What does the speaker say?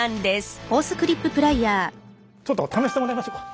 ちょっと試してもらいましょか。